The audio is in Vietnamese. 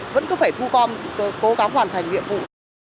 vẫn cứ phải thu gom cố gắng hoàn thành nhiệm vụ